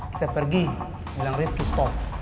kita pergi bilang ridki stop